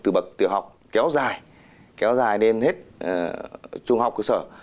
từ bậc tiểu học kéo dài kéo dài đến hết trung học cơ sở